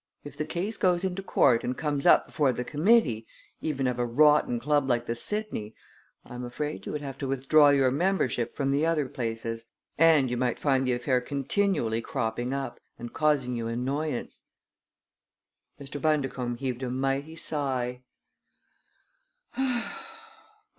If the case goes into court and comes up before the committee even of a rotten club like the Sidney I am afraid you would have to withdraw your membership from the other places; and you might find the affair continually cropping up and causing you annoyance." Mr. Bundercombe heaved a mighty sigh.